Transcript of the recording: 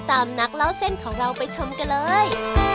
ตามนักเล่าเส้นของเราไปชมกันเลย